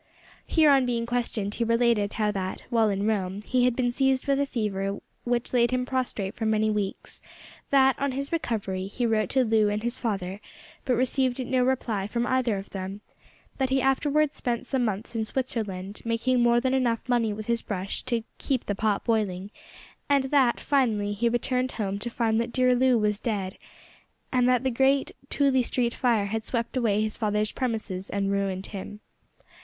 Here, on being questioned, he related how that, while in Rome he had been seized with a fever which laid him prostrate for many weeks; that, on his recovery, he wrote to Loo and his father, but received no reply from either of them; that he afterwards spent some months in Switzerland, making more than enough of money with his brush to "keep the pot boiling," and that, finally, he returned home to find that dear Loo was dead, and that the great Tooley Street fire had swept away his father's premises and ruined him.